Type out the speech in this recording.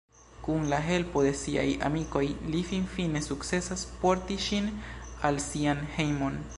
Kun la helpo de siaj amikoj, li finfine sukcesas porti ŝin al sian hejmon.